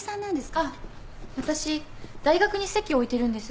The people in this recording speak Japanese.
私大学に籍を置いてるんです。